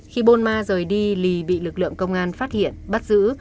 khi bôn ma rời đi lì bị lực lượng công an phát hiện bắt giữ